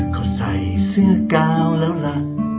เขาใส่เสื้อกาวแล้วล่ะ